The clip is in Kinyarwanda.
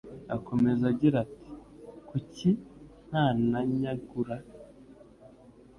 akomeza agira ati Kuki nantanyagura